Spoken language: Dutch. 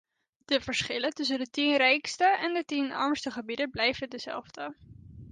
De verschillen tussen de tien rijkste en de tien armste gebieden blijven dezelfde.